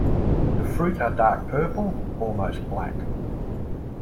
The fruit are dark purple, almost black.